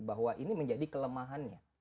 bahwa ini menjadi kelemahannya